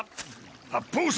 八方斎！